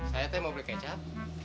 saya tuh mau beli kecap